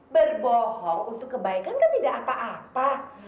berbohong untuk kebaikan kan tidak apa apa